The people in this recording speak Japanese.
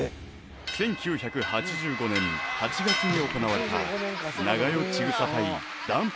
１９８５年８月に行われた長与千種対ダンプ